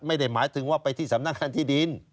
ไม่ได้หมายถึงว่าไปที่สำนักงานที่ดิน